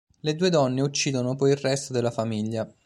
Le due donne uccidono poi il resto della famiglia.